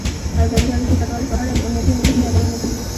ازادي راډیو د کډوال په اړه د امنیتي اندېښنو یادونه کړې.